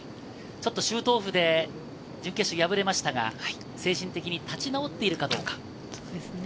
シュートオフで準決勝敗れましたが、精神的に立ち直っているかどうか。